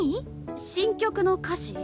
新曲の歌詞？